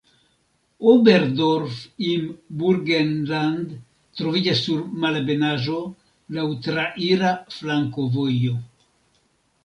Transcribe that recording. Oberdorf im Burgenland troviĝas sur malebenaĵo, laŭ traira flankovojo.